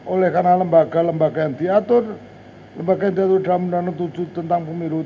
oleh karena lembaga lembaga yang diatur lembaga teratur dalam undang undang tujuh tentang pemilu